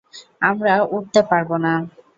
আমরা উড়তে পারব না।